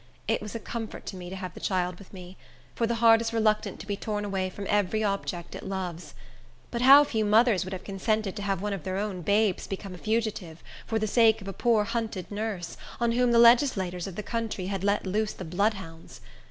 It was a comfort to me to have the child with me; for the heart is reluctant to be torn away from every object it loves. But how few mothers would have consented to have one of their own babes become a fugitive, for the sake of a poor, hunted nurse, on whom the legislators of the country had let loose the bloodhounds!